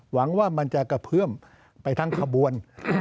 หวังว่ามันจะกระเพื่อมไปทั้งขบวน